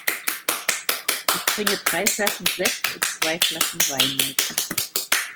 Ich bringe drei Flaschen Sekt und zwei Flaschen Wein mit.